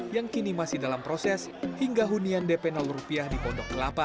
yang kini masih dalam proses hingga hunian dp rupiah di pondok kelapa